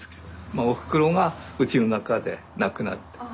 あおふくろがうちの中で亡くなって。